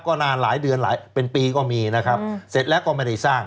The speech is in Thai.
ก็นานหลายเดือนหลายเป็นปีก็มีนะครับเสร็จแล้วก็ไม่ได้สร้าง